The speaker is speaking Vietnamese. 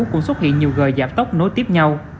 cũng xuất hiện nhiều gờ giảm tốc nối tiếp nhau